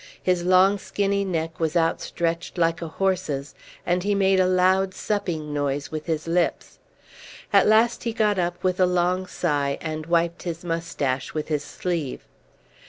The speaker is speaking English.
His long skinny neck was outstretched like a horse's, and he made a loud supping noise with his lips. At last he got up with a long sigh, and wiped his moustache with his sleeve.